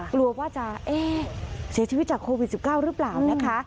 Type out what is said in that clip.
กลัวว่าจะเอ๊ะเสียชีวิตจากโควิด๑๙หรือเปล่านะคะ